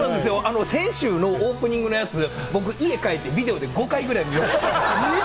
先週のオープニングのやつ、僕、家に帰って５回ぐらい見ました。